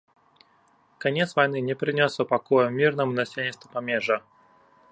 Канец вайны не прынёс супакою мірнаму насельніцтву памежжа.